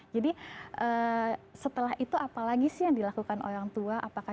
jadi setelah itu apalagi sih yang dilakukan orang tua